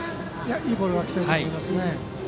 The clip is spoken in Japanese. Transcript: いいボールが来てると思いますね。